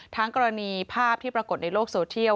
กรณีภาพที่ปรากฏในโลกโซเทียล